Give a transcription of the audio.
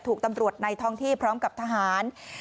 ถูกตำรวจในท้องที่พร้อมกับทหาร